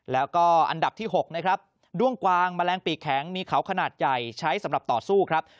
แล้วก็อันดับที่๖นะครับด้วงกวางแมลงปีกแข็งมีเขาขนาดใหญ่ใช้สำหรับต่อสู้ครับ